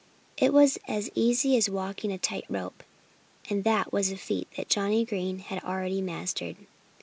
It was as easy as walking a tight rope. And that was a feat that Johnnie Green had already mastered.